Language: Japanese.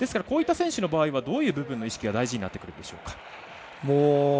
こういった選手の場合はどういった部分の意識が大事になってくるでしょうか。